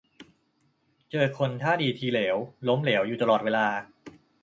เจอคนท่าดีทีเหลว ล้มเหลวอยู่ตลอดเวลา